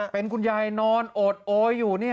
เป็นคุณยายนอนโอดโอยอยู่